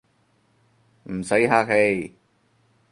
唔使客氣